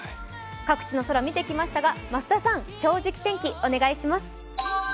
各地の空、見てきましたが、増田さん、「正直天気」お願いします。